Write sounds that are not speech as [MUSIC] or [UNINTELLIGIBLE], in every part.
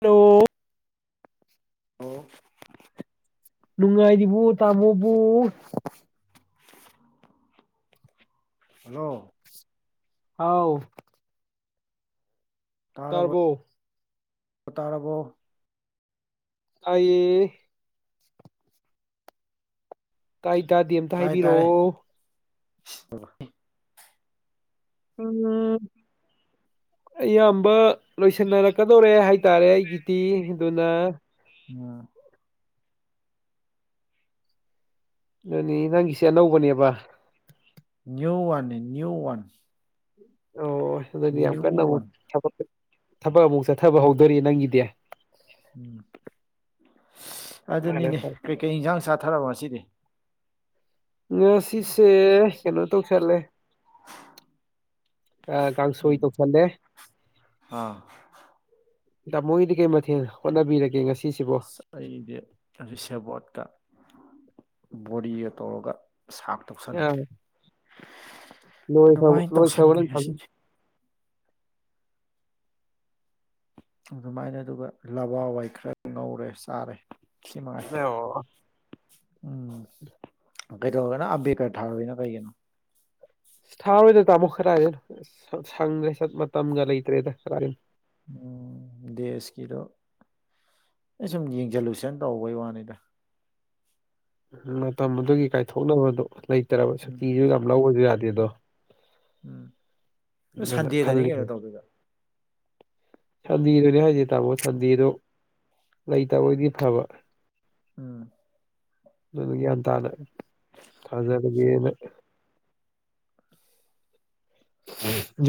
ꯍꯥꯜꯂꯣ꯫ ꯑꯣ꯫ ꯅꯨꯡꯉꯥꯏꯔꯤꯕ ꯇꯥꯃꯣꯕꯨ꯫ ꯍꯜꯂꯣ꯫ ꯍꯥꯎ꯫ ꯇꯥꯔꯕꯣ ꯇꯔꯕꯣ꯫ ꯇꯥꯔꯕꯣ꯫ ꯑꯩꯌꯦ꯫ ꯇꯥꯏꯇꯥꯗꯦ ꯑꯝꯇ ꯍꯥꯏꯕꯤꯔꯛꯑꯣ꯫ ꯑꯣ [UNINTELLIGIBLE] ꯎꯝ ꯑꯩ ꯏꯌꯝꯕ꯫ ꯂꯣꯏꯁꯤꯟꯅꯔꯛꯀꯗꯧꯔꯦ ꯍꯥꯏꯇꯥꯔꯦ ꯑꯩꯒꯤꯗꯤ ꯑꯗꯨꯅ꯫ ꯎꯝ꯫ ꯑꯗꯨꯅꯤ ꯅꯪꯒꯤꯁꯦ ꯑꯅꯧꯕꯅꯦꯕ꯫ ꯅꯤꯌꯨ ꯋꯥꯟꯅꯦ ꯅꯤꯌꯨ ꯋꯥꯟ꯫ ꯑꯣ ꯑꯗꯨꯗꯤ ꯌꯥꯝ ꯅ꯭ꯌꯨ ꯀꯟꯅ ꯑꯃꯨꯛ ꯋꯥꯟ ꯊꯕꯛ ꯑꯃꯨꯛ ꯆꯠꯊꯕ ꯍꯧꯗꯣꯔꯤ ꯅꯪꯒꯤꯗꯤ꯫ ꯎꯝ ꯐꯔꯦ ꯑꯗꯨꯅꯤꯅꯦ ꯐꯔꯦ ꯀꯩꯀꯩ ꯏꯟꯁꯥꯡ ꯆꯥꯊꯔꯕ ꯉꯁꯤꯗꯤ꯫ ꯉ ꯁꯤꯁꯦ ꯀꯩꯅꯣ ꯇꯧꯁꯦꯜꯂꯦ꯫ ꯑ ꯀꯥꯡꯁꯣꯏ ꯎꯝ ꯇꯧꯁꯤꯜꯂꯦ꯫ ꯑꯥ ꯇꯥꯃꯣꯒꯤꯗꯤ ꯀꯩ ꯃꯊꯦꯜ ꯍꯣꯠꯅꯕꯤꯔꯒꯦ ꯉꯁꯤꯁꯤꯕꯨ꯫ ꯑꯁ ꯑꯩꯗꯤ ꯁꯦꯕꯣꯠꯀ ꯕꯣꯔꯤꯒ ꯇꯧꯔꯒ ꯁꯥꯞ꯫ ꯇꯧꯁꯜꯂꯦ꯫ ꯂꯣꯢ ꯈꯔ ꯑꯗꯨꯃꯥꯏꯅ ꯂꯣꯏ ꯈꯔꯕ ꯇꯧꯁꯟꯈ꯭ꯔꯦ ꯅꯪ ꯊꯕ꯫ ꯉꯁꯤꯗꯤ ꯑꯗꯨꯃꯥꯏꯅ ꯑꯗꯨꯒ ꯂꯕꯥꯋꯥꯏ ꯈꯔ ꯉꯧꯔꯦ ꯆꯥꯔꯦ꯫ ꯁꯤ ꯃꯉꯥꯏ ꯌꯥ [UNINTELLIGIBLE] ꯎꯝ ꯀꯩꯗꯧꯔꯒꯅ ꯑꯕꯦꯔꯀꯔ ꯊꯥꯔꯣꯏꯅ ꯀꯩꯒꯤꯅꯣ꯫ ꯊꯥꯔꯣꯏꯗ ꯇꯥꯃꯣ ꯈꯔꯗꯩꯅꯣ ꯁꯪꯗ꯭ꯔꯦ ꯁ ꯃꯇꯝꯒ ꯂꯩꯇ꯭ꯔꯦꯗ ꯀꯗꯩꯗꯩꯅꯣ꯫ ꯎꯝ ꯗꯦꯁꯀꯤꯗꯣ ꯑꯩ ꯁꯨꯝ ꯌꯦꯡꯁꯜꯂꯨꯁꯟ ꯇꯧꯕꯩ ꯋꯥꯅꯤꯗ꯫ ꯎ ꯃꯇꯝ ꯑꯗꯨꯒꯤ ꯀꯥꯏꯊꯣꯛꯅꯕꯗꯣ ꯂꯩꯇ꯭ꯔꯕ ꯎꯝ ꯁꯛꯇꯤꯁꯨ ꯌꯥꯝ ꯂꯧꯕꯁꯨ ꯌꯥꯗꯦ ꯗꯣ꯫ ꯎꯝ꯫ ꯑꯗꯨꯗꯣ ꯁꯟꯗꯦꯗꯅꯤ ꯀꯩꯅꯣ ꯈꯜꯂꯤꯕ꯫ ꯇꯧꯗꯣꯏꯗꯣ ꯁꯟꯗꯦꯗꯨꯅꯦ ꯍꯥꯏꯁꯦ ꯇꯥꯃꯣ ꯁꯟꯗꯦꯗꯣ ꯂꯩꯇꯕꯣꯏꯗꯤ ꯐꯕ꯫ ꯎꯝ꯫ ꯑꯗꯨꯅ ꯒ꯭ꯌꯥꯟ ꯇꯥꯅ ꯁꯟ- ꯊꯥꯖꯔꯒꯦꯅ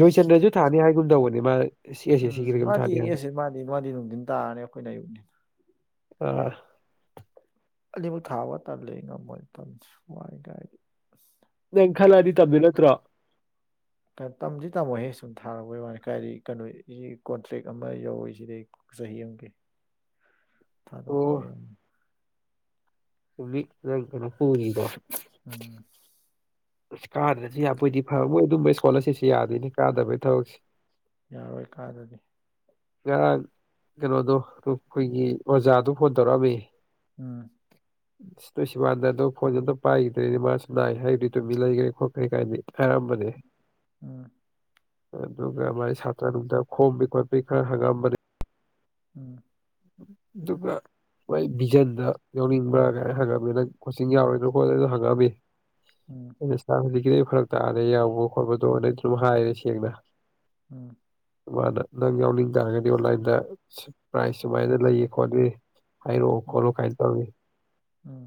ꯖꯣꯏꯆꯟꯗ꯭ꯔꯁꯨ ꯊꯥꯅꯤ ꯍꯥꯏꯒꯨꯝ ꯇꯧꯕꯅꯦ ꯃꯥ ꯁꯤ ꯑꯦꯁ ꯑꯦꯁ ꯎꯝ ꯁꯤꯒꯤꯗ ꯀꯩꯅꯣꯝ ꯃꯥꯗꯤ ꯊꯥꯅꯤ ꯍꯥꯏ ꯑꯦꯁꯦ ꯃꯥꯗꯤ ꯃꯥꯗꯤ ꯅꯨꯡꯊꯤꯟ ꯇꯥꯔꯅꯤ ꯑꯩꯈꯣꯏꯅ ꯑꯌꯨꯛꯅꯤ ꯑ ꯑꯂꯤꯃꯛ ꯊꯥꯕ ꯇꯜꯂꯤ ꯉꯝꯃꯣꯏ ꯃꯇꯝ ꯋꯥꯏ ꯀꯥꯏꯗꯩꯩ ꯅꯪ ꯈꯜꯂꯗꯤ ꯇꯝꯗꯣꯏ ꯅꯠꯇ꯭ꯔꯣ ꯇꯝꯗꯤ ꯇꯝꯃꯣꯏꯍꯦ ꯁꯨꯝ ꯊꯥꯔꯨꯕꯩ ꯋꯥꯅꯤ ꯀꯥꯏꯗꯤ ꯀꯩꯅꯣ ꯀꯣꯟꯇ꯭ꯔꯦꯛ ꯑꯃ ꯌꯧꯔꯤꯁꯤꯗꯤ ꯆꯍꯤ ꯑꯃꯒꯤ [INAUDIBLE] ꯊꯥ [UNINTELLIGIBLE] [UNINTELLIGIBLE] [UNINTELLIGIBLE] [UNINTELLIGIBLE] ꯍꯣꯉꯤ ꯗꯣ ꯎꯃ ꯑꯁ ꯀꯥꯗ꯭ꯔꯗꯤ ꯌꯥꯕꯣꯏꯗꯤ ꯐꯕ ꯃꯣꯏ ꯑꯗꯨꯝꯕ ꯏꯁꯀꯣꯂꯔꯁꯤꯞꯁꯤ ꯌꯥꯗꯣꯏꯅꯤ ꯀꯥꯗꯕꯒꯤ ꯊꯕꯛꯁꯦ ꯌꯥꯔꯣꯏ ꯀꯥꯗꯗꯤ ꯉꯔꯥꯡ ꯀꯩꯅꯣꯗꯣ ꯑꯩꯈꯣꯏꯒꯤ ꯑꯣꯖꯥꯗꯣ ꯐꯣꯟ ꯇꯧꯔꯛꯑꯃꯤ ꯎꯝ ꯅꯣꯏ ꯁꯤꯋꯥꯥꯟꯗꯗꯣ ꯐꯣꯟꯁꯨ ꯑꯝꯇ ꯄꯥꯏꯈꯤꯗ꯭ꯔꯦꯅꯦ ꯃꯥꯁꯨ ꯅꯥꯏ ꯍꯥꯏꯔꯤ ꯇꯨꯃꯤꯟ ꯂꯩꯒ꯭ꯔꯦ ꯈꯣꯠꯈ꯭ꯔꯦ ꯀꯥꯏꯅꯗꯤ ꯍꯥꯏꯔꯝꯕꯅꯦ ꯎꯝ ꯑꯗꯨꯒꯥ ꯃꯥꯏ ꯁꯇ꯭ꯔꯥ ꯅꯣꯡꯗꯥ ꯈꯣꯝꯕꯤ ꯈꯣꯠꯄꯤ ꯈꯥꯔ ꯍꯪꯉꯛꯑꯃꯕꯅꯦ ꯎꯝ ꯗꯨꯒꯥ ꯃꯣꯏ ꯚꯖꯟꯗ ꯌꯥꯎꯅꯤꯡꯕ꯭ꯔꯥ ꯀꯥꯏꯅ ꯍꯪꯉꯝꯃꯤ ꯅꯪ ꯀꯣꯆꯤꯡ ꯌꯥꯎꯔꯣꯏꯅ ꯈꯣꯠꯂꯗꯣ ꯍꯪꯉꯝꯃꯤ ꯎꯝ ꯑ ꯁꯥꯔ ꯍꯧꯖꯤꯛꯀꯤꯗꯤ ꯐꯔꯛ ꯇꯥꯔꯦ ꯌꯥꯎꯕ ꯈꯣꯠꯄꯗꯣꯅ ꯑꯗꯨꯝ ꯍꯥꯏꯔꯦ ꯁꯦꯡꯅ ꯎꯝ ꯃꯥꯅ ꯅꯪ ꯌꯥꯎꯅꯤꯡ ꯇꯥꯔꯒꯗꯤ ꯑꯣꯟꯂꯥꯏꯟꯗ ꯄ꯭ꯔꯥꯏꯁ ꯁꯨꯃꯥꯏꯅ ꯂꯩꯌꯦ ꯈꯣꯠꯂꯤ ꯍꯥꯏꯔꯣꯛ ꯎꯝ ꯈꯣꯠꯂꯣ ꯀꯥꯏꯅꯥ ꯇꯧꯔꯝꯃꯤ ꯎꯝ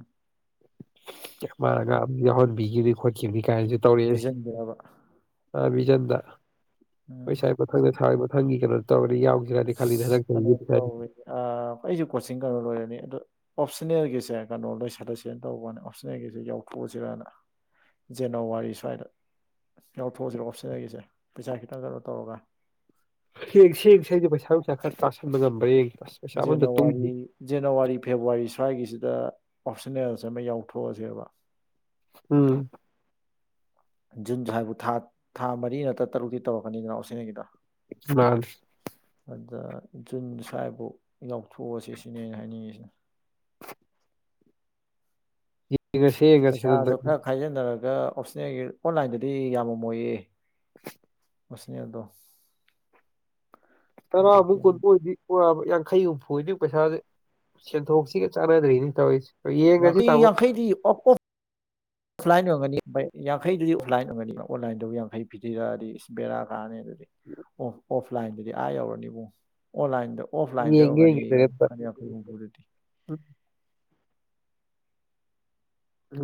ꯃꯥꯅ ꯑꯉꯥꯡ ꯌꯥꯎꯍꯟꯕꯤꯈꯤꯕꯅꯤ ꯈꯣꯠꯈꯤꯕꯅꯤ ꯀꯥꯏꯅꯁꯨ ꯇꯧꯔꯛꯑꯦ ꯄꯤꯖꯟꯕꯤꯔꯕ ꯑ ꯕꯤꯖꯟꯗ ꯎꯝ ꯑꯈꯣꯏꯁꯥꯏ ꯃꯊꯪꯗ ꯊꯔꯗꯤ ꯃꯊꯪꯒꯤ ꯀꯩꯅꯣ ꯇꯧꯔꯗꯤ ꯌꯥꯎ [UNINTELLIGIBLE] ꯇꯧꯋꯤ ꯑꯩꯁꯨ ꯀꯣꯆꯤꯡ ꯀꯩꯅꯣ ꯂꯣꯏꯔꯅꯤ ꯑꯗꯨ ꯑꯣꯞꯁꯅꯦꯜꯒꯤꯁꯦ ꯀꯩꯅꯣ ꯂꯣꯏꯁꯜꯂꯁꯦꯅ ꯇꯧꯕꯅꯤ ꯑꯣꯞꯁꯟꯅꯜꯒꯤꯁꯦ ꯌꯥꯎꯊꯣꯛꯑꯥꯁꯤꯔꯥꯅꯥ ꯖꯅꯋꯥꯔꯤ ꯁ꯭ꯋꯥꯏꯗ ꯌꯥꯎꯊꯣꯛꯑꯁꯤꯔ ꯑꯣꯞꯁꯤꯟꯅꯒꯤꯁꯦ ꯄꯩꯁꯥ ꯈꯤꯇꯪ ꯀꯩꯅꯣ ꯇꯧꯔꯒ ꯌꯦꯡꯁꯤ ꯌꯦꯡꯁꯤ ꯑꯩꯗꯤ ꯄꯩꯁꯥ ꯅꯨꯡꯁꯥ ꯈꯔ ꯇꯥꯁꯟꯕ ꯉꯝꯕ꯭ꯔꯥ ꯌꯦꯡꯒꯦ ꯄꯩꯁꯥ ꯑꯃꯇ ꯖꯦꯅꯋꯥꯔꯤ ꯇꯨꯡꯗꯦ ꯖꯅꯋꯥꯔꯤ ꯐꯦꯕꯋꯥꯔꯤ ꯁ꯭ꯋꯥꯏꯒꯤꯁꯤꯗ ꯑꯣꯞꯁꯟꯅꯜꯁ ꯑꯃ ꯌꯥꯎꯊꯣꯛꯑꯁꯦꯕ ꯎꯝ ꯖꯨꯟ ꯁꯨꯋꯥꯏꯕꯣ ꯊꯥ ꯊꯥ ꯃꯔꯤ ꯅꯠꯇ꯭ꯔ ꯇꯔꯨꯛꯇꯤ ꯇꯧꯔꯛꯀꯅꯤꯗꯅ ꯑꯣꯄꯁꯅꯦꯜꯒꯤꯗꯣ ꯃꯥꯅꯤ ꯑꯗꯥ ꯖꯨꯟ ꯁ꯭ꯋꯥꯏꯐꯥꯎ ꯌꯥꯎꯊꯣꯛꯑꯁꯤ ꯁꯤꯅꯦ ꯑꯩꯅꯥ ꯍꯥꯏꯅꯤꯡꯉꯤꯁꯤꯅ ꯌꯦꯡꯉꯁꯦ ꯌꯦꯡꯉꯁꯦ ꯄꯩꯁꯥꯁꯨ ꯑꯗꯨꯝꯇꯪ ꯈꯔ ꯈꯥꯏꯖꯤꯟꯅꯔꯒ ꯑꯣꯞꯁꯟꯅꯜꯒꯤ ꯑꯣꯟꯂꯥꯏꯟꯗꯗꯤ ꯌꯥꯝꯃꯃꯣꯏꯌꯦ [INAUDIBLE] ꯑꯣꯞꯁ꯭ꯅꯦꯜꯗꯣ ꯇꯔꯥ ꯑꯃꯨꯛ ꯀꯨꯟꯃꯨꯛ ꯑꯣꯏꯗꯤ ꯀꯣꯛ ꯌꯥꯕꯥ ꯌꯥꯡꯈꯩ ꯍꯨꯝꯐꯨ ꯑꯣꯏꯔꯗꯤ ꯄꯩꯁꯥꯁꯦ ꯁꯦꯟꯊꯣꯛꯁꯤꯒ ꯆꯥꯟꯅꯗ꯭ꯔꯤꯅꯦ ꯇꯧꯔꯤꯁꯦ ꯌꯦꯡꯉꯁꯤ ꯌꯥꯡꯈꯩ ꯇꯥꯃꯣ ꯌꯥꯡꯈꯩꯗꯤ ꯑꯣꯄ ꯑꯣ [INAUDIBLE] ꯑꯣꯐꯂꯥꯏꯟ ꯑꯣꯏꯒꯅꯤ ꯌꯥꯡꯈꯩꯗꯨꯗꯤ ꯑꯣꯐꯂꯥꯏꯟ ꯑꯣꯏꯒꯅꯤ ꯑꯣꯐꯂꯥꯏꯟꯗꯕꯨ ꯌꯥꯡꯈꯩ ꯄꯤꯊꯔꯛꯑꯗꯤ ꯏꯁ ꯕꯦꯔꯥ ꯀꯥꯔꯅꯤ ꯑꯗꯨꯗꯤ ꯑꯣ ꯑꯣꯐꯂꯥꯏꯟꯗꯗꯤ ꯑꯥ ꯌꯧꯔꯅꯤꯕꯣ ꯑꯣꯟꯂꯥꯏꯟꯗ ꯑꯣꯐꯂꯥꯏꯟꯗ ꯌꯦꯡꯒꯦ ꯑꯣꯏꯔꯝꯒꯅꯤ ꯌꯦꯡꯒꯦ ꯑꯝꯇ ꯌꯥꯡꯈꯩ ꯍꯨꯝꯐꯨꯗꯨꯗꯤ [UNINTELLIGIBLE]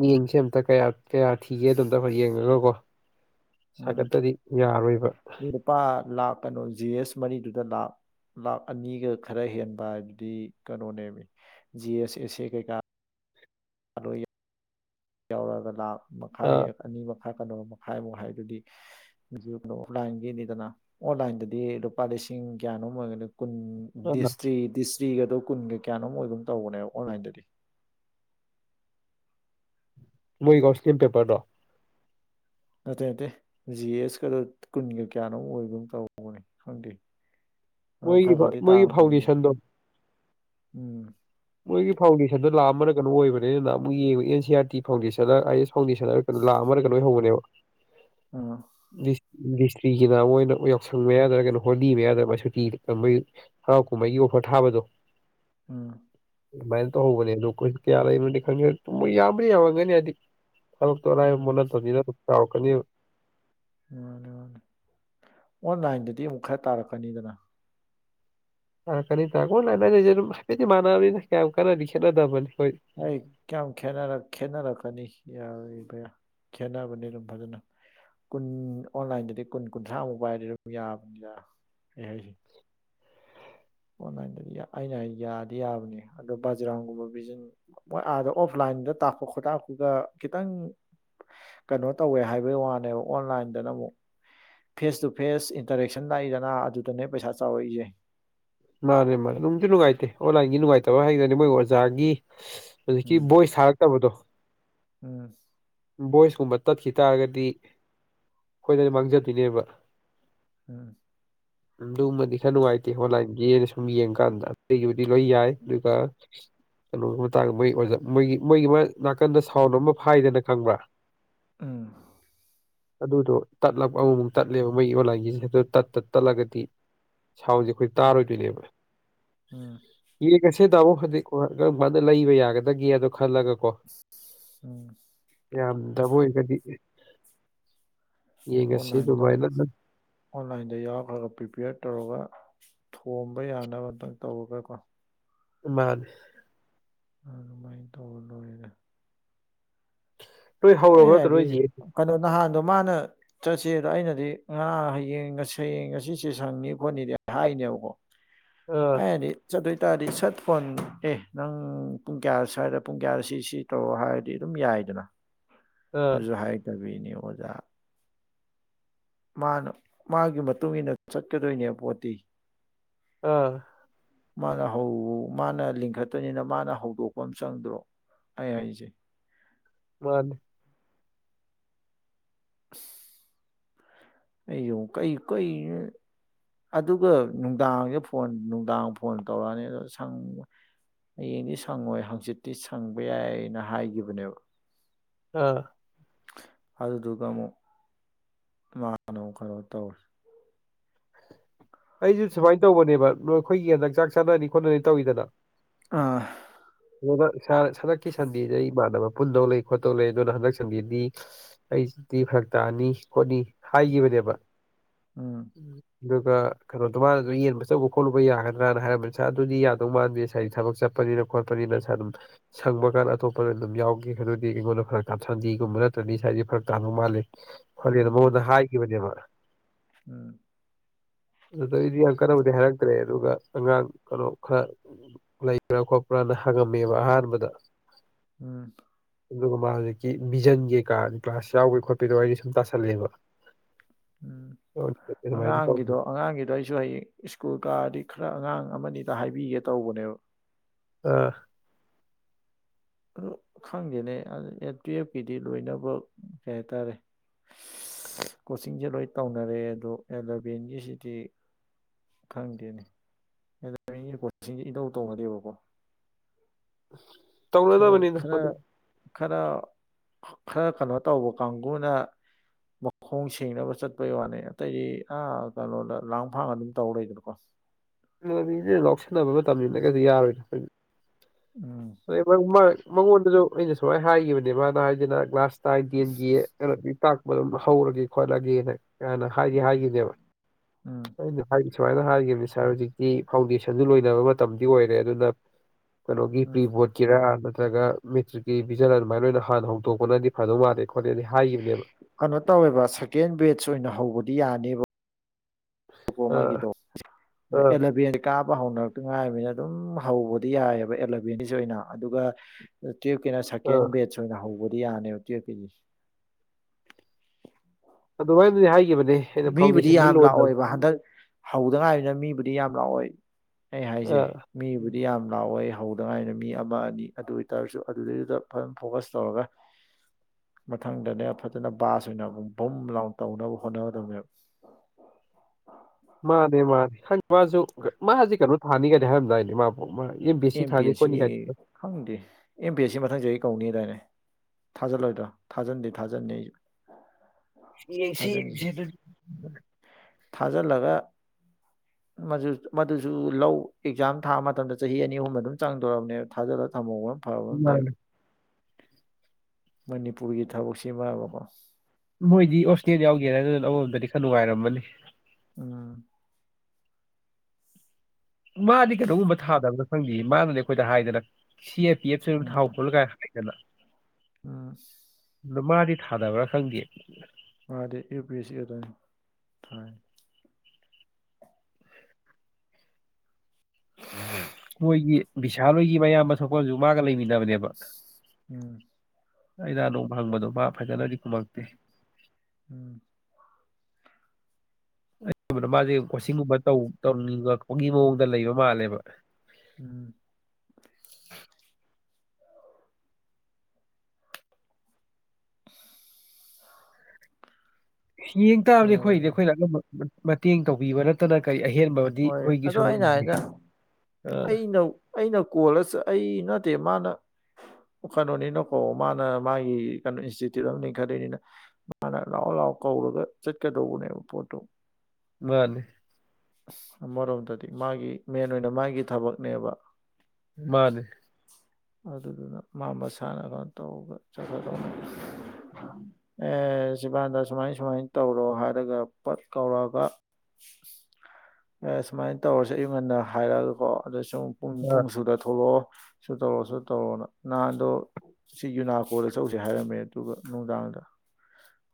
ꯌꯦꯡꯁꯦ ꯑꯝꯇ ꯀꯌꯥ ꯀꯌꯥ ꯊꯤꯒꯦꯗꯣ ꯑꯝꯇ ꯑꯩꯈꯣꯏ ꯌꯦꯡꯉꯒ ꯀꯣ ꯎꯝ ꯁꯥꯀꯠꯇꯗꯤ ꯌꯥꯔꯣꯏꯕ ꯃꯤ ꯂꯨꯄꯥ ꯂꯥꯛ ꯀꯩꯅꯣ ꯖꯤ ꯑꯦꯁ ꯃꯔꯤꯗꯨꯗ ꯂꯥ ꯂꯥꯛ ꯑꯅꯤꯒ ꯈꯔ ꯍꯦꯟꯕ ꯍꯥꯏꯗꯨꯗꯤ ꯀꯩꯅꯣꯅꯦꯃꯤ ꯖꯤ ꯑꯦꯁ ꯑꯦꯁ ꯑꯦ ꯀꯩꯀꯥ ꯌꯥꯎꯔꯒ ꯂꯥꯈ ꯃꯈꯥ ꯑ ꯍꯦꯛ ꯑꯅꯤ ꯃꯈꯥ ꯀꯩꯅꯣ ꯃꯈꯥꯏꯃꯨꯛ ꯍꯥꯏꯗꯨꯗꯤ ꯑꯣꯐꯂꯥꯏꯟꯒꯤꯅꯤꯗꯅ ꯑꯣꯟꯂꯥꯏꯟꯗꯗꯤ ꯂꯨꯄꯥ ꯂꯤꯁꯤꯡ ꯀꯌꯥꯅꯣꯝ ꯑꯣꯏꯒꯅꯤ ꯀꯨꯟ ꯗꯤꯁꯇ꯭ꯔꯤ ꯗꯤꯁꯇ꯭ꯔꯤꯒꯗꯣ ꯀꯨꯟꯒ ꯀꯌꯥꯅꯣꯛ ꯑꯗꯨꯝ ꯇꯧꯕꯅꯦꯕ ꯑꯣꯟꯂꯥꯏꯟꯗꯗꯤ ꯃꯣꯏꯒꯣ ꯁ꯭ꯝ ꯄꯦꯄꯔꯗꯣ ꯅꯇꯩꯦ ꯅꯠꯇꯦ ꯖꯤ ꯑꯦꯁꯀꯗ ꯀꯨꯟꯒ ꯀꯌꯥꯅꯣ ꯑꯣꯏꯕ ꯑꯃ ꯇꯧꯧꯕꯅꯤ ꯈꯪꯗꯦ ꯑꯝ ꯈꯔ ꯃꯣꯏꯒꯤ ꯈꯔꯗꯤ ꯃꯣꯏꯒꯤ ꯇꯥꯔꯝꯒꯅꯤ ꯐꯥꯎꯟꯗꯦꯁꯟꯗꯣ ꯎꯝ ꯃꯣꯏꯒꯤ ꯐꯥꯎꯟꯗꯦꯁꯟꯗꯣ ꯂꯥꯛꯑꯃꯅ ꯀꯩꯅꯣ ꯑꯣꯏꯕꯅꯤꯅ ꯑꯃꯨꯛ ꯌꯦꯡꯉꯕ ꯑꯦꯟ ꯁꯤ ꯑꯥꯔ ꯇꯤ ꯐꯥꯎꯟꯗꯦꯁꯟꯗ ꯑꯥꯏ ꯑꯦꯁ ꯍꯧꯅꯤ ꯁꯥꯟꯅꯔꯀꯗꯣ ꯂꯥꯛ ꯑꯃꯒ ꯂꯣꯏ ꯍꯧꯕꯅꯦꯕ ꯑꯣ ꯗꯤꯁꯇ꯭ꯔꯤꯛꯀꯤꯅ ꯃꯣꯏꯅ ꯌꯥꯎꯁꯪꯕ ꯌꯥꯗ꯭ꯔꯒ ꯀꯩꯅꯣ ꯍꯣꯂꯤ ꯃ ꯌꯥꯗ꯭ꯔ ꯁꯨꯇꯤꯣꯏ ꯍꯥꯎ ꯀꯨꯝꯍꯩꯒꯤ ꯑꯣꯐꯔ ꯊꯥꯕꯗꯣ ꯎꯝ ꯃꯥꯏꯅꯦ ꯍꯒ ꯅ ꯂꯣꯁꯤ ꯇꯌꯥꯔꯥꯡꯒꯦꯣꯏ ꯌꯥꯝꯕ ꯌꯥꯋꯥꯒꯦ ꯅ ꯑꯗꯤꯛ ꯈꯜꯛ ꯇꯥꯏ ꯎꯝ ꯃꯣꯟꯅ ꯅꯤꯗꯥꯎꯛꯀꯅꯤ ꯃꯥꯅꯤ ꯃꯥꯅꯤ ꯑꯣꯟꯂꯥꯏꯟꯗꯗꯤ ꯑꯃꯨꯛ ꯈꯔ ꯇꯥꯔꯛꯀꯅꯤꯗꯅ ꯂꯥꯛꯀꯅꯤ ꯇꯥꯛꯀꯣ ꯂꯥꯏꯅꯈꯔꯤꯁꯦ ꯑꯗꯨꯝ ꯍꯥꯏꯐꯦꯗꯤ ꯃꯥꯟꯅꯕꯅꯤꯅ ꯀꯌꯥꯝ ꯀꯥꯟꯅꯗꯤ ꯈꯦꯠꯅꯗꯕꯅꯤ ꯍꯣꯏ ꯑꯩ ꯀꯌꯥꯝ ꯈꯦꯠꯅꯔꯛꯀꯅꯤ ꯌꯥꯕ ꯈꯦꯠꯅꯕꯅꯤ ꯑꯗꯨꯝ ꯐꯖꯅ ꯀꯨꯟ ꯑꯣꯟꯂꯥꯏꯟꯗꯗꯤ ꯀꯨꯟ ꯀꯨꯟꯊ꯭ꯔꯥꯃꯨꯛ ꯄꯥꯏꯗ ꯑꯗꯨꯝ ꯌꯥꯕꯅꯤ ꯑꯩ ꯍꯥꯏꯁꯦ ꯑꯣꯟꯂꯥꯏꯟꯗꯗꯤ ꯑꯩꯅ ꯌꯥꯗꯤ ꯌꯥꯕꯅꯦ ꯑꯗꯣ ꯕꯖꯔꯥꯒꯨꯝꯕ ꯕꯤꯤꯖꯤꯟ ꯃꯣꯏ ꯑꯥꯗ ꯑꯣꯐꯂꯥꯏꯟꯗ ꯇꯥꯛꯄ ꯈꯣꯇꯥꯛꯄꯒ ꯈꯤꯇꯪ ꯀꯩꯅꯣ ꯇꯧꯋꯦ ꯍꯥꯏꯕꯩ ꯋꯥꯅꯦꯕ ꯑꯣꯟꯂꯥꯏꯟꯗꯅ ꯑꯃꯨꯛ ꯐꯦꯁ ꯇꯨ ꯐꯦꯁ ꯏꯟꯇꯔꯦꯛꯁꯟ ꯂꯥꯛꯏꯗꯅ ꯑꯗꯨꯗꯅꯦ ꯄꯩꯁꯥ ꯆꯥꯎꯔꯛꯏꯁꯦ ꯃꯥꯅꯦ ꯃꯥꯅꯦ ꯅꯨꯡꯗꯤ ꯅꯨꯡꯉꯥꯏꯇꯦ ꯑꯣꯟꯂꯥꯏꯟꯒꯤ ꯅꯨꯡꯉꯥꯏꯇꯕ ꯍꯥꯏꯗꯅꯤ ꯃꯣꯏ ꯑꯣꯖꯥꯒꯤ ꯍꯧꯖꯤꯛꯀꯤ ꯎꯝ ꯕꯣꯏꯁ ꯊꯥꯔꯛꯇꯕꯗꯣ ꯎꯝ ꯚꯣꯏꯁꯀꯨꯝꯕ ꯇꯠꯈꯤ ꯇꯥꯔꯒꯗꯤ ꯑꯩꯈꯣꯏꯗꯗꯤ ꯃꯥꯡꯖꯗꯣꯏꯅꯦꯕ ꯎꯝ ꯑꯗꯨꯒꯨꯝꯃꯗꯤ ꯈꯔ ꯅꯨꯡꯉꯥꯏꯇꯦ ꯑꯣꯟꯂꯥꯏꯟꯒꯤ ꯑꯩꯅ ꯁꯨꯝ ꯌꯦꯡꯀꯥꯟꯗ ꯒꯤꯕꯨꯗꯤ ꯂꯣꯏ ꯌꯥꯏ ꯑꯗꯨꯒ ꯀꯩꯅꯣꯒꯤ ꯃꯇꯥꯡꯗ ꯃꯣꯏ ꯑꯣꯖꯥ ꯃꯣꯏꯒꯤ ꯃꯣꯏꯒꯤ ꯃ ꯅꯥꯀꯟꯗ ꯁꯥꯎꯟ ꯑꯃ ꯐꯥꯏꯗꯅ ꯈꯪꯕ꯭ꯔꯥ ꯎꯝ ꯑꯗꯨꯗꯣ ꯇꯠꯂꯕ ꯑꯃꯃꯨꯛ ꯇꯠꯂꯦꯕ ꯃꯩ ꯑꯣꯟꯂꯥꯏꯟꯒꯤ ꯑꯗꯨ ꯇꯠ ꯇꯠ ꯇꯠꯂꯒꯗꯤ ꯁꯥꯎꯁꯦ ꯑꯩꯈꯣꯏ ꯎꯝ ꯇꯥꯔꯣꯏꯗꯣꯏꯅꯦꯕ ꯎꯝ ꯌꯦꯡꯉꯁꯦ ꯇꯥꯃꯣ ꯍꯧꯖꯤꯛ ꯀꯔꯝ ꯀꯅ ꯂꯩꯕ ꯌꯥꯒꯗꯒꯦꯗꯣ ꯈꯜꯂꯒ ꯀꯣ ꯎꯝ ꯌꯥꯝꯗꯕ ꯑꯣꯏꯔꯒꯗꯤ ꯌꯦꯡꯉꯁꯤ ꯑꯣꯟꯂꯥꯏꯟꯗ ꯑꯗꯨꯃꯥꯏꯅ ꯑꯣꯟꯂꯥꯏꯟꯗ ꯌꯥꯎꯈ꯭ꯔꯒ ꯄ꯭ꯔꯤꯄꯦꯌꯔ ꯇꯧꯔꯒ ꯊꯣꯝꯕ ꯌꯥꯅꯕ ꯑꯝꯇꯪ ꯇꯧꯔꯒꯀꯣ ꯃꯥꯅꯦ ꯑꯗꯨꯃꯥꯏꯅ ꯇꯧꯔꯗꯣꯏꯔꯦꯗ ꯅꯣꯏ ꯍꯧꯔꯕ ꯑꯩꯅ ꯅꯠꯇ꯭ꯔꯣ ꯍꯥꯏꯗꯤ ꯅꯣꯏꯁꯦ ꯀꯩꯅꯣ ꯅꯍꯥꯟꯗꯣ ꯃꯥꯅ ꯆꯠꯁꯦꯗ ꯑꯩꯅꯗꯤ ꯉꯥ ꯍꯌꯦꯡ ꯉ ꯁꯌꯦꯡ ꯉꯁꯤꯁꯦ ꯁꯪꯅꯤ ꯈꯣꯠꯅꯤꯗꯤ ꯍꯥꯏꯅꯦꯕꯀꯣ ꯑꯥ ꯑꯗꯤ ꯆꯠ ꯇꫭꯏ ꯇꯥꯥꯔꯗꯤ ꯁꯠ ꯐꯣꯟ ꯑꯦ ꯅꯪ ꯄꯨꯡ ꯀꯌꯥ ꯁ꯭ꯋꯥꯏꯗ ꯄꯨꯡ ꯀꯌꯥꯁꯤ ꯁꯤ ꯇꯧ ꯍꯥꯏꯔꯗꯤ ꯑꯗꯨꯝ ꯌꯥꯏꯗꯅ ꯑꯥ ꯑꯗꯨꯁꯨ ꯍꯥꯏꯗꯕꯤꯅꯤ ꯑꯣꯖꯥ ꯃꯥꯅ ꯃꯥꯒꯤ ꯃꯇꯨꯡ ꯏꯟꯅ ꯆꯠꯀꯗꯣꯏꯅꯦ ꯄꯣꯠꯇꯤ ꯑꯥ ꯃꯥꯅ ꯍꯧ ꯃꯥꯅ ꯂꯤꯡꯈꯠꯇꫭꯏꯅꯤꯅ ꯃꯥꯅ ꯍꯧꯗꯣꯛꯄ ꯑꯃ ꯆꯪꯗ꯭ꯔꯣ ꯑꯩ ꯍꯥꯏꯁꯦ ꯃꯥꯅꯤ ꯑꯁ ꯑꯩꯑꯣ ꯀꯩ ꯀꯩꯅꫭ ꯑꯗꯨꯒ ꯅꯨꯡꯗꯥꯡꯗ ꯐꯣꯟ ꯅꯨꯡꯗꯥꯡ ꯐꯣꯟ ꯇꯧꯔꯛꯑꯅꯤ ꯑꯗꯣ ꯁꯪ ꯍꯌꯦꯡꯗꯤ ꯁꯪꯉꯣꯏ ꯍꯤꯡꯆꯤꯠꯇꯤ ꯁꯪꯕ ꯌꯥꯏꯅ ꯍꯥꯏꯈꯤꯕꯅꯦꯕ ꯑꯥ ꯑꯗꯨꯗꯨꯒꯥ ꯑꯃꯨꯛ ꯃꯥꯅꯣ ꯈꯩꯅꯣ ꯇꯧꯒꯔꯦ ꯑꯩꯁꯨ ꯁꯨꯃꯥꯏꯅ ꯇꯧꯕꯅꯦꯕ ꯅꯣꯏ ꯑꯩꯈꯣꯏꯒꯤ ꯍꯟꯗꯛ ꯆꯥꯛ ꯆꯥꯅꯅꯤ ꯈꯣꯠꯅꯅꯤ ꯇꯧꯋꯤꯗꯅ ꯑꯥ ꯑꯗꯨꯅ ꯁꯥꯔ ꯍꯟꯗꯛꯀꯤ ꯁꯟꯗꯦꯗꯤ ꯑꯩ ꯏꯃꯥꯟꯅꯕ ꯄꯨꯟꯗꯧ ꯂꯩ ꯈꯣꯠꯇꯧ ꯂꯩ ꯑꯗꯨꯅ ꯍꯟꯗꯛ ꯁꯟꯗꯦꯗꯤ ꯑꯩꯁꯤꯗꯤ ꯐꯔꯛ ꯇꯥꯅꯤ ꯈꯣꯠꯅꯤ ꯍꯥꯏꯈꯤꯕꯅꯦꯕ ꯑꯥ ꯑꯗꯨꯒ ꯀꯩꯅꯣꯗꯣ ꯃꯥꯅ ꯑꯗꯨ ꯌꯦꯟꯕ ꯆꯧꯕ ꯈꯣꯠꯂꯨꯕ ꯌꯥꯒꯗ꯭ꯔꯥꯅ ꯍꯥꯏꯔꯝꯕꯅꯤ ꯁꯔ ꯑꯗꯨꯗꯤ ꯌꯥꯗꯧ ꯃꯥꯟꯗꯦ ꯁꯔꯒꯤ ꯊꯕꯛ ꯆꯠꯄ ꯄꯅꯤꯅ ꯈꯣꯠꯄꯅꯤꯅ ꯁꯔ ꯑꯗꯨ ꯁꯪꯕ ꯀꯥꯟꯗ ꯑꯇꯣꯞꯄꯗ ꯑꯗꯨꯝ ꯌꯥꯎꯒꯦ ꯑꯗꯨꯗꯤ ꯑꯩꯉꯣꯟꯗ ꯐꯔꯛ ꯇꯥꯞ ꯁꯪꯗꯦꯒꯨꯝꯕ ꯅꯠꯇ꯭ꯔꯅꯤ ꯁꯔ ꯑꯩꯖꯦ ꯐꯔꯛ ꯇꯥꯗꯧ ꯃꯥꯜꯂꯤ ꯈꫭꯠꯂꯦꯅ ꯃꯉꯣꯟꯗ ꯍꯥꯏꯀꯤꯈꯤꯕꯅꯦꯕ ꯑꯥ ꯑꯗꯩꯗꯤ ꯌꯥꯝ ꯀꯥꯟꯅꯕꯨꯗꯤ ꯍꯥꯏꯔꯛꯇ꯭ꯔꯦ ꯑꯗꯨꯒ ꯑꯉꯥꯡ ꯀꯩꯅꯣ ꯈꯔ ꯂꯩꯕ꯭ꯔꯥ ꯈꯣꯠꯄ꯭ꯔꯥꯅ ꯍꯪꯉꯝꯃꯦꯕ ꯑꯍꯥꯟꯕꯗ ꯎꯝ ꯑꯗꯨꯒ ꯃꯥ ꯍꯧꯖꯤꯛꯀꯤ ꯚꯤꯖꯟ ꯀꯩꯀꯥ ꯀ꯭ꯂꯥꯁ ꯌꯥꯎꯕꯒꯤ ꯈꯣꯠꯄꯩꯗꯣ ꯑꯩꯗꯤ ꯁꯨꯝ ꯇꯥꯁꯜꯂꯦꯕ ꯎꯝ ꯑꯗꯨꯃꯥꯏꯅ ꯇꯧ ꯑꯉꯥꯡꯒꯤꯗꯣ ꯑꯉꯥꯡꯒꯤꯗꯣ ꯑꯩ ꯑꯩꯁꯨ ꯍꯌꯦꯡ ꯏꯁ꯭ꯀꯨꯜ ꯀꯥꯔꯗꯤ ꯈꯔ ꯑꯉꯥꯡ ꯑꯃꯅꯤꯗ ꯍꯥꯏꯕꯤꯒꯦ ꯇꯧꯕꯅꯦꯕ ꯑꯥ ꯑꯗꯨ ꯈꯪꯗꯦꯅꯦ ꯑꯦꯠ ꯇꯨꯌꯦꯞꯀꯤꯗꯤ ꯂꯣꯏꯅꯃꯛ ꯀꯩ ꯍꯥꯏꯇꯥꯔꯦ ꯀꯣꯆꯤꯡꯁꯦ ꯂꯣꯏ ꯇꯧꯅꯔꯦ ꯑꯗꯣ ꯑꯦꯂꯚꯦꯟꯒꯤꯁꯤꯗꯤ ꯈꯪꯗꯦꯅꯦ ꯑꯗꯨ ꯑꯂꯕꯦꯟꯒꯤ ꯀꯣꯆꯤꯡꯁꯦ ꯏꯇꯧ ꯇꯧꯅꯗꯦꯕꯀꯣ ꯎ [UNINTELLIGIBLE] ꯈꯔ ꯈꯔ ꯈꯔ ꯈꯔ ꯀꯩꯅꯣ ꯇꯧꯕ ꯀꯥꯡꯕꯨꯅ ꯃꯈꯣꯡ ꯁꯦꯡꯅꯕ ꯆꯠꯄꯩ ꯋꯥꯅꯤ ꯑꯇꯩꯗꯤ ꯑ ꯀꯩꯅꯣꯗ ꯂꯥꯡꯐꯥꯡ ꯑꯗꯨꯝ ꯇꯧꯂꯩꯗꯅꯀꯣ ꯃꯤꯁꯤꯅ ꯂꯧꯁꯤꯟꯅꯕ ꯑꯃ ꯇꯝꯃꯤꯟꯅꯂꯒꯗꯤ ꯌꯥꯔꯣꯏꯗ ꯎꯝ ꯑꯩꯈꯣꯏ [UNINTELLIGIBLE] ꯃꯉꯣꯟꯗꯁꯨ ꯑꯩꯅ ꯁꯨꯃꯥꯏꯅ ꯍꯥꯏꯈꯤꯕꯅꯦ ꯃꯥꯅ ꯍꯥꯏꯁꯤꯅ ꯀ꯭ꯂꯥꯁ ꯅꯥꯏꯟ ꯇꯦꯟꯒꯤ ꯈꯔꯗꯤ ꯇꯥꯛꯄ ꯑꯗꯨꯝ ꯍꯧꯔꯒꯦ ꯈꯣꯠꯂꯒꯦꯅ ꯀꯥꯏꯅ ꯍꯥꯏꯗꯤ ꯍꯥꯏꯈꯤꯅꯦꯕ ꯎꯝ ꯑꯩꯅ ꯍꯥꯏꯈꯤ ꯁꯨꯃꯥꯏꯅ ꯍꯥꯏꯈꯤꯕꯅꯦ ꯁꯔ ꯍꯧꯖꯤꯛ ꯀꯤ ꯐꯥꯎꯟꯗꯦꯁꯟꯖꯨ ꯂꯣꯏꯅꯕ ꯃꯇꯝꯗꯤ ꯑꯣꯏꯔꯦ ꯑꯗꯨꯅ ꯀꯩꯅꯣꯒꯤ ꯎꯝ ꯄ꯭ꯔꯤꯕꫭꯠ ꯀꯤꯔꯥ ꯅꯠꯇ꯭ꯔꯒ ꯃꯦꯇ꯭ꯔꯤꯛꯀꯤ ꯚꯤꯖꯟ ꯑꯗꯨꯃꯥꯏꯅ ꯑꯣꯏꯅ ꯍꯥꯟꯅ ꯍꯧꯗꯣꯛꯄꯅꯗꯤ ꯐꯗꯧ ꯃꯥꯜꯂꯤ ꯈꯣꯠꯂꯦꯗꯤ ꯍꯥꯏꯈꯤꯕꯅꯦꯕ ꯀꯩꯅꯣ ꯇꯧꯋꯦꯕ ꯁꯦꯀꯦꯟ ꯕꯦꯁ ꯑꯣꯏꯅ ꯍꯧꯕꯗꯤ ꯌꯥꯅꯦꯕ ꯕꫭ ꯑꯥ ꯃꯥꯒꯤꯗꫭ ꯑꯥ ꯑꯂꯕꯦꯟ ꯀꯥꯕ ꯍꯧꯅꯔꯛꯇ ꯉꯥꯏꯅꯤꯅ ꯑꯗꯨꯝ ꯍꯧꯕꯗꯤ ꯌꯥꯏꯌꯦꯕ ꯑꯦꯂꯚꯦꯟꯒꯤꯖꯤ ꯑꯣꯏꯅ ꯑꯗꯨꯒ ꯑꯗꯨ ꯇꯨꯨꯏꯌꯦꯞ ꯀꯤꯅ ꯁꯦꯀꯦꯟ ꯑꯥ ꯕꯦꯠꯁ ꯑꯣꯏꯅ ꯍꯧꯕꯗꯤ ꯌꯥꯅꯦꯕ ꯇꯨꯏꯌꯦꯞ ꯀꯤꯗꯤ ꯑꯗꯨꯃꯥꯏꯅꯗꯤ ꯍꯥꯏꯒꯤꯈꯤꯕꯅꯤ ꯃꯤꯕꯨꯗꯤ ꯌꯥꯝ ꯂꯥꯛꯑꯣꯏꯕ ꯍꯟꯗꯛ ꯍꯧꯗ ꯉꯥꯏꯕꯅꯤꯅ ꯃꯤꯕꯨꯗꯤ ꯌꯥꯝ ꯂꯥꯛꯑꯣꯏ ꯑꯩ ꯍꯥꯏꯖꯦ ꯑꯥ ꯃꯤꯕꯨꯗꯤ ꯌꯥꯝ ꯂꯥꯛꯑꯣꯏ ꯍꯧꯗꯉꯥꯏꯅ ꯃꯤ ꯑꯃ ꯑꯅꯤ ꯑꯗꯨ ꯑꯣꯏꯇꯥꯔꯁꯨ ꯑꯗꯨꯗꯩꯗꯨꯗ ꯐꯖꯅ ꯐꯣꯀꯁ ꯇꯧꯔꯒ꯫ [UNINTELLIGIBLE] ꯃꯊꯪꯗꯅꯦ ꯐꯖꯅ ꯕꯥꯁ ꯑꯣꯏꯅ ꯑꯃꯨꯛ ꯕꯨꯝ ꯂꯥꯎꯟꯅ ꯇꯧꯅꯕ ꯍꯣꯠꯅꯒꯗꯕꯅꯦꯕ꯫ ꯃꯥꯅꯦ ꯃꯥꯅꯦ ꯍꯣꯏ ꯃꯥꯁꯨ ꯃꯥꯁꯤ ꯀꯩꯅꯣ ꯊꯥꯅꯤꯒꯅꯤ ꯍꯥꯏꯔꯝꯗꯥꯏꯅꯦ ꯃꯥꯕꯨ ꯑꯦꯝ ꯄꯤ ꯁꯤ ꯊꯥꯅꯤ ꯈꯣꯠꯅꯤ ꯀꯥꯏꯅ꯫ ꯍꯪꯗꯦ ꯑꯦꯝ ꯕꯤ ꯑꯦꯁ ꯁꯤ ꯃꯊꯪ ꯆꯥꯍꯤ ꯀꯧꯅꯤ ꯗꯥꯏꯅꯦ꯫ ꯊꯥꯖꯜꯂꯣꯏꯗ꯭ꯔꯣ ꯊꯥꯖꯟꯗꯤ ꯊꯥꯖꯟꯅꯤ ꯑꯩꯁꯨ ꯌꯦꯡꯁꯤ ꯌꯦꯡꯁꯤ ꯊꯥꯖꯤꯟꯁꯤ꯫ ꯑꯗꯨꯗꯤ ꯊꯥꯖꯤꯜꯂꯒ꯫ ꯃꯗꯨꯁꯨ ꯃꯗꯨꯁꯨ ꯂꯧ ꯑꯦꯛꯖꯥꯝ ꯊꯥꯕ ꯃꯇꯝꯗ ꯆꯍꯤ ꯑꯅꯤ ꯑꯍꯨꯝ ꯑꯗꯨꯝ ꯆꯥꯡꯗꯣꯔꯑꯔꯕꯅꯦ ꯊꯥꯖꯜꯂꯒ ꯊꯝꯍꯧꯕ ꯐꯕ ꯑꯃ ꯂꯩꯕ꯫ ꯃꯥꯅꯦ ꯃꯅꯤꯄꯨꯔꯒꯤ ꯊꯕꯛꯁꯤ ꯃꯥꯕꯀꯣ꯫ ꯃꯣꯏꯗꯤ ꯑꯣꯐꯁꯅꯦꯜ ꯌꯥꯎꯗꯦꯅ ꯑꯗꯨꯅ ꯑꯅꯔꯣꯝꯗꯗꯤ ꯈꯔ ꯅꯨꯡꯉꯥꯏꯔꯝꯃꯅꯤ꯫ ꯑꯥ꯫ ꯃꯥꯗꯤ ꯀꯩꯅꯣꯒꯨꯝꯕ ꯊꯥꯗꯕꯗ ꯈꯪꯗꯦ ꯃꯥꯅꯅꯦ ꯑꯩꯈꯣꯏꯗ ꯍꯥꯏꯗꯅ ꯁꯤ ꯑꯦ ꯄꯤ ꯑꯦꯐꯁꯨ ꯊꯥꯎ ꯈꯣꯠꯂꯨ ꯀꯥꯏꯅ ꯂꯩꯗꯅ꯫ ꯑꯥ꯫ ꯑꯗꯨ ꯃꯥꯗꯤ ꯊꯥꯗꯕ꯭ꯔꯥ ꯈꯪꯗꯦ꯫ ꯃꯥꯗꯤ ꯌꯨ ꯄꯤ ꯑꯦꯁ ꯁꯤ ꯑꯗꯨꯗꯅꯤ ꯍꯥꯏ꯫ ꯃꯣꯏꯒꯤ ꯕꯤꯁꯥꯂꯣꯏꯒꯤ ꯃꯌꯥꯝꯕ ꯊꯣꯛꯄꯁꯨ ꯃꯥꯒ ꯂꯩꯃꯤꯟꯅꯕꯅꯦꯕ꯫ ꯎꯝ꯫ ꯑꯩꯩꯅ ꯅꯍꯥꯟ ꯅꯣꯡꯃ ꯍꯪꯕꯗꯣ ꯃꯥ ꯐꯖꯅꯗꯤ ꯈꯨꯝꯃꯛꯇꯦ꯫ ꯎꯝ꯫ ꯑꯩꯅ ꯈꯟꯕꯗ ꯃꯥꯁꯦ ꯀꯣꯆꯤꯡꯒꯨꯝꯕ ꯇꯧꯅꯤꯡꯉꯛꯄꯒꯤ ꯃꯑꯣꯡꯗ ꯂꯩꯕ ꯃꯥꯜꯂꯦꯕ꫰꫰ ꯎꯝ꯫ ꯌꯦꯡ ꯇꯥꯕꯅꯤ ꯑꯩꯈꯣꯏꯗꯤ ꯍꯣꯏ ꯑꯩꯈꯣꯏꯅ ꯑꯉꯝꯕ ꯃꯇꯦꯡ ꯇꯧꯕꯤꯕ ꯅꯠꯇꯅ ꯀꯔꯤ ꯑꯍꯦꯟꯕ ꯍꯣꯏ ꯑꯗꯣ ꯑꯩꯅ ꯍꯥꯏꯗ ꯑꯥ ꯑꯩꯅ ꯑꯩꯅ ꯀꯣꯜ ꯑꯁ ꯑꯩ ꯅꯠꯇꯦ ꯃꯥꯅ ꯀꯩꯅꯣꯅꯤꯅꯀꯣ ꯃꯥꯅ ꯃꯥꯒꯤ ꯀꯩꯅꯣ ꯏꯟꯁꯇꯤꯇ꯭ꯌꯨꯠ ꯑꯃ ꯂꯤꯡꯈꯗꯣꯏꯅꯤꯅ ꯃꯥꯅ ꯂꯥꯛꯑꯣ ꯂꯥꯛꯑꯣ ꯀꯧꯔꯒ ꯆꯠꯀꯗꯧꯕꯅꯦꯕ ꯄꯣꯠꯇꯣ꯫ ꯃꯥꯅꯤ꯫ ꯑꯃꯔꯣꯝꯗꯗꯤ ꯃꯥꯒꯤ ꯃꯦꯟ ꯑꯣꯏꯅ ꯃꯥꯒꯤ ꯊꯕꯛꯅꯦꯕ꯫ ꯃꯥꯅꯤ꯫ ꯑꯗꯨꯗꯨꯅ ꯃꯥ ꯃꯁꯥꯟꯅ ꯀꯩꯅꯣ ꯇꯧꯕꯒ ꯆꯠꯀꯗꯧꯅꯤ꯫ ꯑꯦ ꯁꯤꯕꯥꯟꯗ ꯁꯨꯃꯥꯏ ꯁꯨꯃꯥꯏ ꯇꯧꯔꯣ ꯍꯥꯏꯔꯒ ꯄꯠ ꯀꯧꯔꯛꯒ꯫ ꯑꯦ ꯁꯨꯃꯥꯏꯅ ꯇꯧꯔꯁꯦ ꯑꯩꯌꯨꯛ ꯉꯟꯅ ꯍꯥꯏꯔꯛꯑꯒꯀꯣ ꯑꯗ ꯁꯨꯝ꯫ ꯄꯨꯡ ꯑꯥ ꯄꯨꯡ ꯁꯨꯗ ꯊꯣꯛꯂꯛꯑꯣ ꯁꯨ ꯇꯧꯔꯛꯑꯣ ꯁꯨ ꯇꯧꯔꯣꯅ ꯅꯍꯥꯟꯗꯣ ꯁꯤ ꯌꯨꯅꯥꯀꯣꯗ ꯆꯠꯂꯨꯁꯦ ꯍꯥꯏꯔꯝꯃꯦ ꯑꯗꯨꯒ ꯅꯨꯡꯗꯥꯡꯗ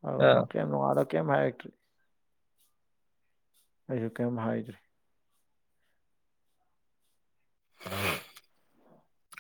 ꯑꯗꯨꯒ ꯑꯥ ꯅꯣꯛꯀꯦꯝ ꯅꯣꯡꯉꯥꯜꯂ ꯀꯩꯝ ꯍꯥꯏꯔꯛꯇꯔꯦ꯫ ꯑꯩꯁꯨ ꯀꯩꯝ ꯍꯥꯏꯗ꯭ꯔꯦ꯫ [UNINTELLIGIBLE]